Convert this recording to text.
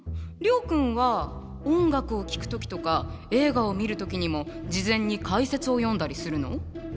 諒君は音楽を聴く時とか映画を見る時にも事前に解説を読んだりするの？